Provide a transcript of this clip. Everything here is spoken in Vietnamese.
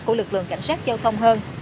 của lực lượng cảnh sát châu thông hơn